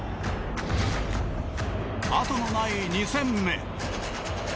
後のない２戦目。